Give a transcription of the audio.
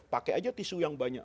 pakai aja tisu yang banyak